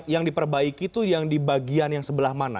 yang diperbaiki itu yang di bagian yang sebelah mana